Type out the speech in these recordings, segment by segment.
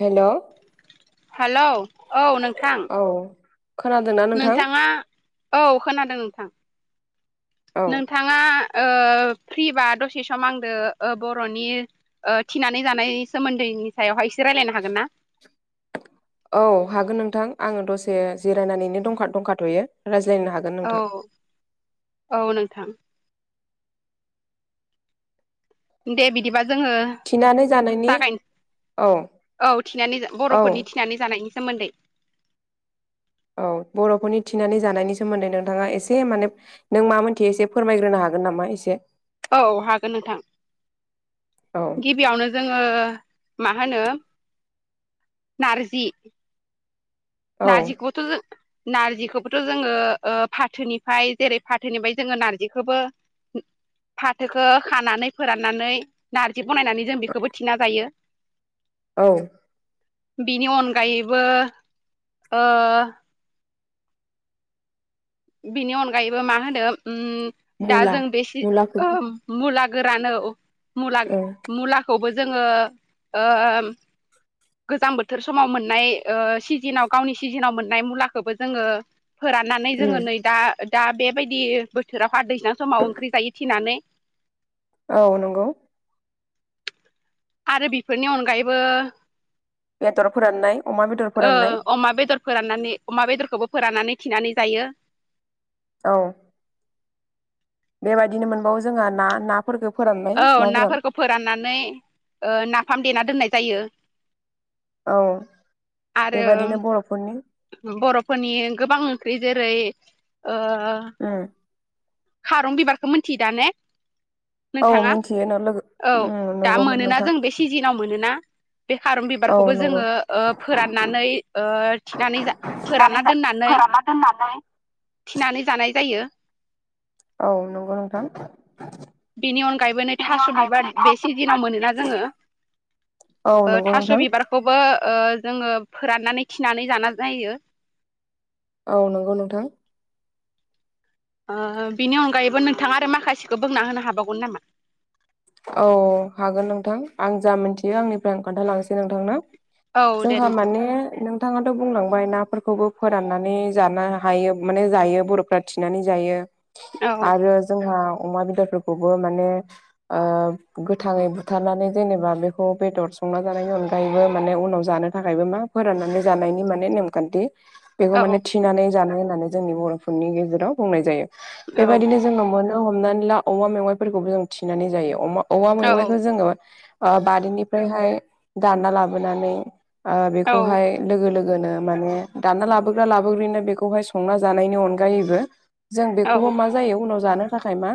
हेल' hello औ नोंथां औ खोनादोंना नोंथां नोंथाङा औ खोनादों नोंथां औ नोंथाङा ओ फ्रिबा दसे सम आंदो ओ बर'नि ओ थिनानै जानायनि सोमोन्दैनि सायावहाय एसे रायज्लायनो हागोन ना औ हागोन नोंथां आङो दसे जिरायनानैनो दं दंखाथ'यो रायज्लायनो हागोन। नोंथां औ औ नोंथां दे बिदिबा जोङो थिनानै जानायनि जागायनो औ औ थिनानै औ बर'फोरनि थिनानै जानायनि सोमोन्दै। औ बर'फोरनि थिनानै जानायनि सोमोन्दै नोंथाङा एसे माने नों मा मोनथियो एसे फोरमायग्रोनो हागोन नामा एसे औ हागोन नोंथां औ गिबियावनो जोङो मा होनो नारजि औ नारजिखुथ' जो नारजिखौबोथ' जोङो फाथोनिफ्राय जेरै फाथोनिफ्राय जोङो नारजिखोबो फाथोखो खानानै फोराननानै नारजि बनायनानै जों बेखौबो थिना जायो औ बिनि अनगायैबो ओ बिनि अनगायैबो मा होनो ओम दा मुला जों बेसे मुलाखौ मुला गोरानो मुला ओं मुलाखौबो जोङो ओ गोजां बोथोर समाव मोननाय ओ सिजोनाव गावनि सिजोनाव मोननाय मुलाखौबो जोङो फोराननानै उम जोङो नै दा दा बेबायदि बोथोराव [unintelligible] दैैसां समाव ओंख्रि जायो औ नंगौ आरो बिफोरनि अनगायैबो बेदर फोराननाय अमा बेदर ओ फोराननाय अमा बेदर फोराननानै अमा बेदरखौबो फोराननानै थिनानै जायो औ बेबायदिनो मोनबावो जोङो ना ना फोरखो फोरान औ नाफोरखौ फोराननानै नाफाम देना दोननाय जायो। औ आरो बेबादिनो बर'फोरनि बर'फोरनि गोबां ओंख्रि जेरै ओ उम खारं बिबारखौ मिथियो दा ने औ नोंथाङा मिन्थियो न लोगो औ उम दा नंगौमोन मोनोना नोंथां जों बे सिजोनाव मोनोना बे खारन औ बिबारखौबो नंगौ जोङो ओ फोराननानै ओ थिनानै जा फोरानना दोननानै फोराना दोननानै थिनानै जानाय जायो। औ नंगौ नोंथां बेनि अनगायैबो नै बेनि थास' बिबार अनगायैबो बे थास' सिजोनाव बिबार मोनोना जोङो औ नंगौ नोंथां बे खौबो जोङो फोराननानै खिनानै जानाय जायो। औ नंगौ नोंथां ओ बिनि अनगायैबो नोंथाङा आरो माखासेखौ बोंना होनो हाबावगोन नामा? औ हागोन नोंथां आं जा मोन्थियो आंनिफ्राय आं खोन्थाालांसै नोंथांनो औ दे जोंहा नोंथां माने नों नोंथाङाथ' बुंलांबाय नाफोरखौबो फोराननानै जानो हायो माने जायो बर'फ्रा थिनानै जायो औ आरो जोंहा अमा बेदरफोरखौबो माने आ गोथाङै बुथारनानै जेनेबा बे बेखौ बेदर संना जानायनि अनगायैबो माने उनाव जानो थाखायबो मा फोराननानै जानायनि नेमखान्थि बेखौ औ माने थिनानै जानाय होननानै जोंनि बर'फोरनि गेजेराव बुंनाय जायो औ बेबायदिनो जोङो मोनो हमनानै ला औवा मेवाइफोरखौबो जों थिनानै जायो औवा मेवाइखौ औ जोङो ओ बारिनिफ्रायहाय दानना लाबोनानै ओ औ बेखौहाय। लोगो लोगोनो माने दाना लाबोग्रा लाबोग्रिनो बेखौहाय संना जानायनि अनगायैबो। जों औ बेखौबो मा जायो उनाव जानो थाखाय मा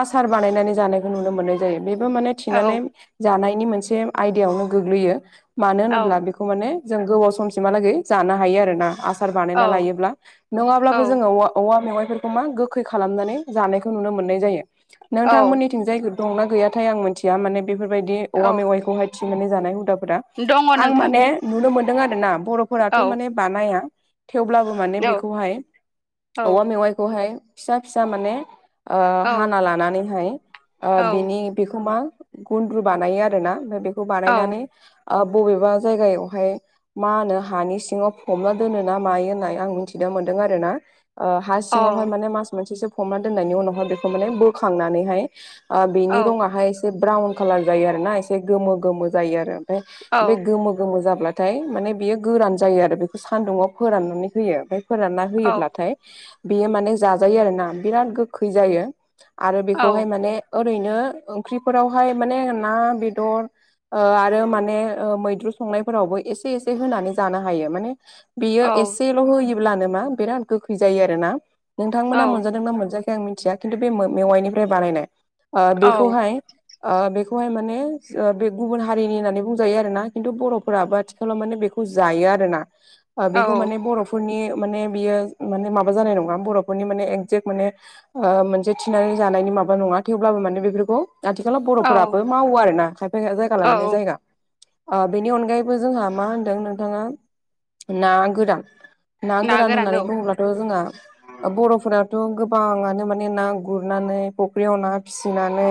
आसार बानायनानै जानाय नुनो मोननाय जायो बेबो मान थिनानै जानायनि मोनसे आयदायावनो गोग्लैयो। मानो औ होनोब्ला बेखौ माने जों गोबाव समसिमहालागै जानो हायो आरोना आ सार बानायना लायोब्ला औ नङाब्लाबो जोंङो अ औवा मेवाइफोरखौ मा गोखै खालामनानै जानायखौ नुनो मोननाय जायो नोंथांमोननि थि थिंजाय दंना गैयाथाय आं मिथिया माने बेफोरबायदि औवा औ मेवाइखौहाय थिनानै जानाय हुदाफोरा। दङ आं नोंथां माने नुनो मोनदों आरोना बर'फोराथ' औ माने बानाया। थेवब्लाबो माने औ बेखौहाय औ औवा मेवाइखौहाय फिसा फिसा माने ओ औ हाना लानानैहाय ओ औ बिनि बेखौ मा गुन्द्रु बानायो आरोना बेखौ औ बानायनानै ओ बबेबा जायगायावहाय मा होनो हानि सिंङाव फबना दोनो ना मायो होननाय आं मिथिनो मोन्दों आरो ना ओ हा औ सिंङावहाय माने मास मोनसेसो फबना दोननायनि उनावहाय बेखौ माने बोखांनानैहाय आ औ बेनि रंङाहाय एसे ब्राउन कालार जायो आरो ना एसे गोमो गोमो जायो आरो। बे गोमो गोमो जाब्ला थाय माने बेयो गोरान जायो आरो बेखौ सान्दुंङाव फोराननानै होयो ओमफफ्राय फोरानना होयोब्लाथाय बेयो माने जाजायो आरोना बिराद गौखै जायो आरो औ बेखौहाय मा ने ओरैनो ओंख्रिफोरावहाय माने ना बेदर ओ आरो माने ओ मैद्रु संनायफोरावबो एसे एसे होनानै जानो हायो माने बेयो एसेल' होयोब्लानो मा बिराद गोखै जायो आरोना। नोंथांमोना मोनजादोंना मोनजाखै आं मिथिया खिन्थु बे मो मेवाइनिफ्राय बानायनाय ओ बेखौहाय ओ बेखौहाय माने ओ बे गुबुन हारिनि होननानै बुंजायो आरो ना खिन्थु बर'फोराबाद आथि थिखालाव माने बेखौ जायो आरो ना। [unintelligible] ओ बेखौ माने बर'फोरनि माने बियो माने माबा जानाय नंङा बर'फोरनि माने एगजेक्ट माने ओ मोनसे थिनानै जानायनि माबा नंङा। थेवब्लाबो माने बेफोरखौ आथिखालाव बर'फोराबो मावो आरो ना खायफाया जायगा लानानै औ जायगा। आ बेनि अनगायैबो जोंहा मा होनदों नोंथाङा ना गोरान। ना गोरान होननानै बुंङोब्ला थ रजोंहा बर'फोराथ' गोबांङानो माने ना गुरनानै फुख्रियाव ना फिसिनानै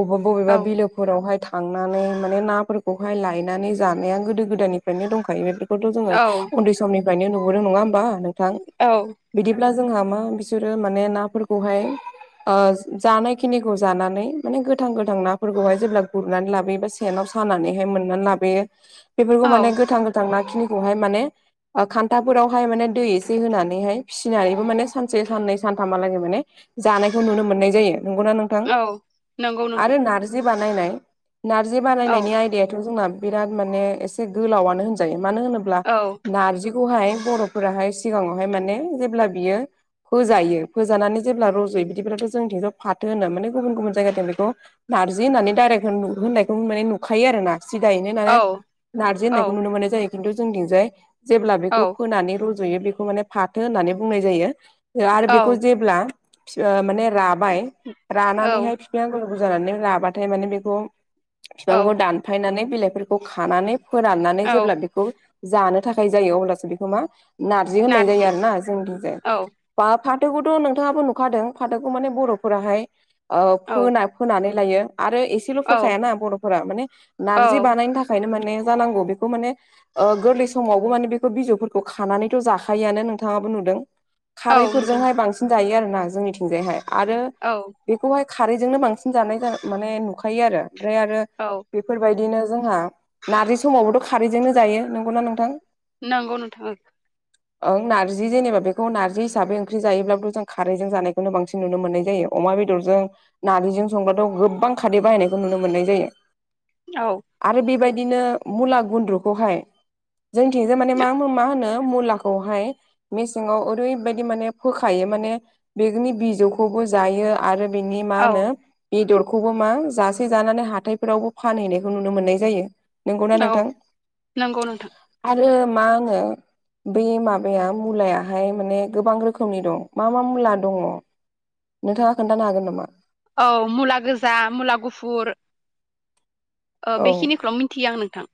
अबेबा बबेबा औ बिलोफ फोरावहाय थांनानै माने नाफोरखौहाय लायनानै जानाया गोदो गोदायनिफ्रायनो दंखायोबेफो फर‌ थ' जोंङो औ उन्दै समनिफ्रायनो नुबोदो नङा होमबा नोंथां। औ बिदिब्ला जोंहा मा बिसोरो माने नाफोरखौहाय ओ जानाय। खिनिखौ जानानै माने गोथां गोथां नाफोरखौहाय जेब्ला गुरनानै लाबोयो सेनाव सानानैहाय मोननानै लाब बेयो बेफोरखौ औ माने गोथां गोथां ना खिनिखौहाय माने ओ खान्थाफोरावहाय माने दै एसे होनानैहाय फिसिनानैबो माने सानसे साननै सानथामहालागे माने जानायखो नुनो मोननाय जायो नंगौना नोंथां औ नंगौ नोंथां आरो नारजि बानायनाय। नार्जि औ बानायनायनि आयदायाथ' जोंना बिराद माने एसे गोलावआनो होनजायो मानो होनोब ब्ला औ नारजिखौहाय बर'फोराहाय सिगाङावहाय माने जेब्ला बियो फोजायो फोजानानै जेब्ला रज'यो बिदिब्लाथ' जोंथिं थ फाथो होनो माने गुबुन गुबुन जायगाथिं बेखौ नारजि होननानै डायरेक्ट होन होननायखौ माने नुखायो आरो ना। सिदायैनो औ माने नारजि औ होननायखौ नुनो मोनाय जायो खिन्थु जोंनिथिजाय जेब्ला बेखौ औ फोनानै रज जयो बेखौ माने फाथो होननानै बुंनाय जायो आरो औ बेखौ जेब्ला फि ओ माने राबाय औ रानानैहाय बि आंगुल उंगुल जानानै लाबाथाय माने बेखौ औ बिफांखौ दान फायनानै बिलाइफोरखौ खानानै फोराननानै औ जेब्ला बेख खौ जानो थाखाय जायो अब्लासो बेखौ मा नारजि होननाय जायो आरोना जोंखजाया। औ बा फाथोखौथ' नोंथाङाबो नुखादों फाथोखौ माने बर'फोराहाय ओ औ फोना फोनानै लायो आरो एसेल' औ फोखायाना बर'फोरा माने औ नारजि बानायनो थाखाय खायनो माने जानांगौ बेखौ माने गोरलै समावबो माने बेखौ बिजौफोरखौ खानानैथ' जाखायोआनो नोंथाङाबो नुदों। औ नुदों खारैफोरजोंहाय बांसिन जायो आरो ना जोंनिथिंजायहाय आरो‌ औ। बेखौहाय खारैजोंनो बांसिन जानाय माने नुखायो आरो ओमफ्रायो आरो औ। बेफोरबायदिनो जोंहा नारजि समावबोथ' खारैजोंनो जायो नंगौना नोंथां? नांगौ नोंथां औ। ओं नारजि जेनेबा बेखौ नारजि हिसाबै ओंख्रि जायोब्लाबो जों खारैजों जानायखौनो बांसिन नुनो मोननाय जायो। अमा बेदरजों नारजिजों संबाथ' गोबां खारादै बाहायनायखौ नुनो मोननाय जायो। औ। आरो बेबायदिनो मुला गुन्द्रुखौहाय जोंथिंजो माने मा मा होनो मुलाखौहाय मेसेङाव ओरैबायदि माने फोखायो माने बेनि बिजौखौबो जायो आरो बिनि मा औ होनो? बेदरखौबो मा जासे जानानै हाथायफोरावबो फानहैनायखौ नुनो मोननाय जायो। नंगौना औ नोंथां नंगौ नोंथां आरो मा होनो बै माबाया मुलायाहाय माने गोबां रोखोमनि दं मा मा मुला दङ। नोंथाङा खोन्थानो हागोन नामा? औ मुला गोजा, मुला गुफुर ओ औ बेखिनिखौल' मिन्थियो आं नोंथां।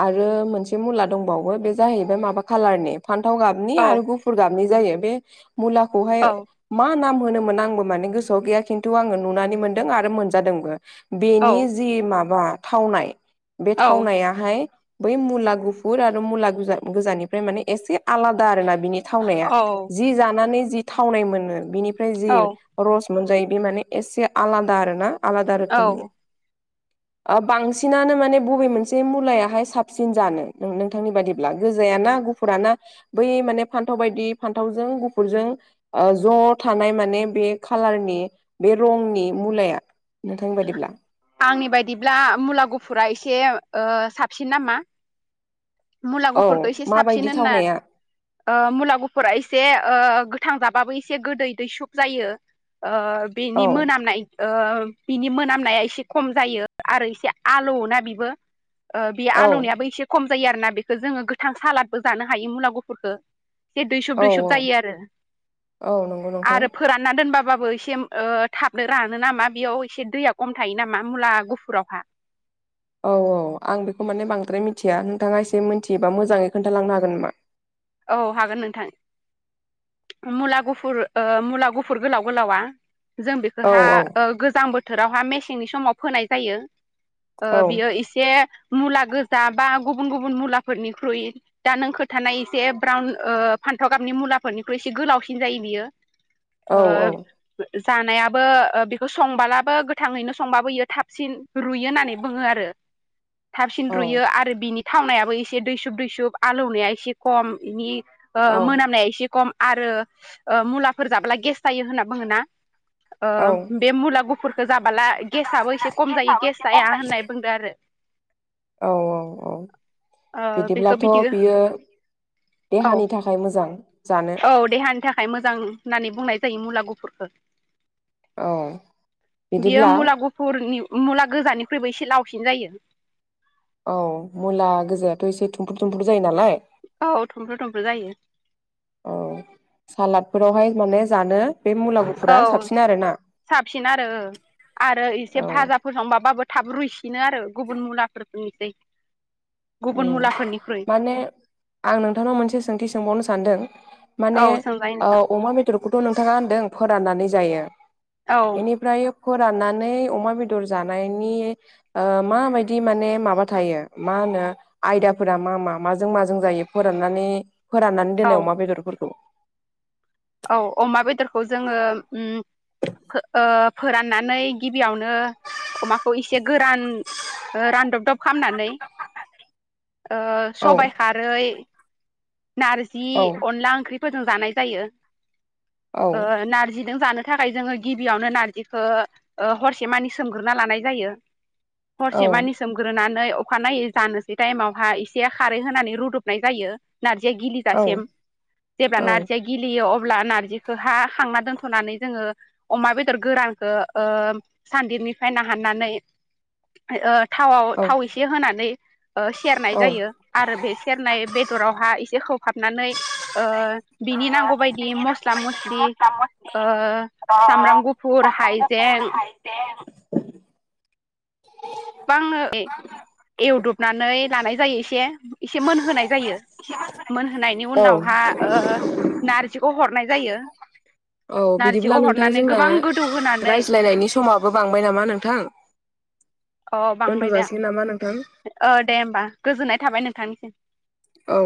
आरो मोनसे मुला दंबावो बे जाहैबाय माबा कालारनि फान्थाव गाबनि औ आरो गुफुर फुर गाबनाय जायो बे मुलाखौहाय औ मा नाम होनोमोन आंबो माने गोसोआव गैया खिन्थु आङो नुनानै मोनदों आरो मोनजादोंबो। औ बेनि जि माबा थावनाय बे औ थावनाया हाय बै मुला गुफुर आरो मुला गुज गोजानिफ्राय माने एसे आलादा आरो ना बिनि थावनाया औ जि जानानै जि थावनाय मोनो बिनिफ्राय जि औ रस मोनजायो बे माने एसे आलादा आरो ना आलादा रोखोमनि। औ ओ बांसिनानो माने बबे मोनसे बे मुलायाहाय साबसिन जानो नोंथांनि बाददिब्ला गोजायाना गुफुर ना बै माने फान्थाव बायदि फान्थावजों गुफुरजों ओ ज' थानाय माने बे खाालारनि बे रंनि मुलाया? नोंथांनि बायदिब्ला? आंनि बायदिब्ला मुला गुफुरा एसे साबसिन नामा। मुला औ गुफुरफोरखो एसे साबसिन माबायदि होनना थावनाया ओ मुला गुफुरा एसे ओ गोथां जाबाबो एसे गोदै दैसुब जायो। ओ औ बेनि मोनामनाय ओ बिनि मोनामनाया एसे खम जायो आरो इसे आलौ ना बियो ओ बे औ आलुनियाबो एसे खम जायो आरोना बेखौ जोङो गोथां सालादबो जानो हायो मुला गुफुरफोरखो। एसे दुइसब औ दुइसब औ जायो आरो औ नंगौ नोंथां आरो फोरान ना दोनबाबाबो एसे थाबनो रानो नामा बेयाव एसे दैया खम थायो नामा मुला गुफुरावहा। औ औ आं बेखौ माने बांद्राय मिथिया नोंथाङा एसे मिथियोबा मोजाङै खोन्थालांनो हागोन नामा? औ हागोन नोंथां। मुला गुफुर मुला गुफुर गोलाव गोलावा। जों औ बेखौहा औ ओ गोजां बोथोरावहा मेसेंनि समाव फोनाय जायो। ओ औ बेयो एसे मुला गोजा बा गुबुन गुबुन मुलाफोरनिख्रुइ दा नों खोथानाय एसे ब्राउन फान्थाव गाबनि मुलाफोरनिख्रुइ एसे गोलावसिन जायो बियो औ ओ जानायाबो बेखौ संबलाबो गोथांङैनो संबाबो बियो थाबसिन रुयो होननानै बुंङो आरो। थाबसिन औ रुयो आरो बिनि थावनायाबो एसे दैसुब दैसुब आलौनाया एसे खम बिनि मोनामनाया एसे खम आरो ओ मुलाफोर जाब्ला गेस जायो होनना बुंङो ना ओ बे मुला गुफुरखौ जाबाला गेसआबो एसे खम जायो। गेस जाया होननाय बुंदो आरो। औव औव औव ओ बिदिब्लाथ' बियो औव देहानि थाखाय मोजां जानो औव देहानि थाखाय मोजां। होननानै बुंनाय जायो मुला गुफुरखौ औ बियो बिदिब्ला मुला गुफर फुरनि मुला गोजानिख्रुइबो एसे लावसिन जायो। औ मुला गोजायाथ' एसे थुमफ्रु थुमफ्रु जायो नालाय औव थुमफ्रु थुमफ्रु जायो। औ सालादफोरावहाय माने जानो बे मुला गुफुरा औव साबसिन आरोना साबसिन आरो आरो एसे औ भाजा [unintelligible] थाब रुइसिनो आरो गुबुन मुलाफोरनिफ्राय उम माने- आं नोंथांनाव मोनसे सोंथि सोंबावनो सानदों? माने औ सोंजायो नोंथां अमा बे बेदरखौथ' नोंथांङा होनदों फोराननानै जायो औ बेनिफ्राय- फोराननानै अमा बेदर जानायनि ओ माबायदि माने माबा थायो मा होनो आयदाफोरा मा मा? माजों माजों जायो फोराननानै फोराननानै औ दोननाय अमा बेदरफोरखौव- औव अमा बेदरखौ जोंङो उम ओ फोराननानै गिबियावनो अमाखौ एसे गोरान रानदबदब खालामनानै ओ औ सबाय खारै नारजि औ अनला ओंख्रि फोरजों जानाय जायो। औ ओहो नारजिजों जानो थाखाय जोंङो गिबियावनो नारजिखौ ओ हरसेमानि सोमग्रोना लानाय जायो। औ हरसे मानि सोमग्रोनानै अखानायै जानोसै टाइमावहा एसे खारै होनानै रुदबनाय जायो। नारजिया औ गिलिजासिम जेब्ला नारजिया औ गिलियो अ अब्ला नारजिखौहा खांना दोनथ'नानै जोंङो अमा बेदर गोरानखौ ओ सानदिबनिफ्राय नाहाननानै ओ थावआव थाव एसे होनानै सेरनाय औ जायो। आरो बे सेरनाय बेदरावहा एसे होहाबनानै ओ बिनि नांगौ बायदि मस्ला मस्लि ओ सामब्राम गुफुर हाइजें [unintelligible] बां ए एवदबनानै लानाय जायो एसे एसे मोनहोनाय जायो। मोनहोनायनि औ उनावहा ओ नारजिखौ हरनाय जायो। औ बिदिब्ला नारजिखौ नोंथां हरनानै जोंना गोबां गोदौ होनानै रायज्लायनायनि समाबो बांबाय नामा नोंथां? अ बांबाय दोनथ' दा जासिगोन नामा नोंथां ओ दे होमबा गोजोननाय थाबाय नोंथांनिसिम। औ।